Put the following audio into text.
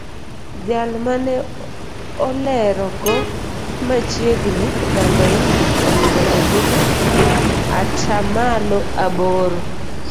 Jal mane olerogo machiegni Bangaini oyudo ombulu atamalo aboro.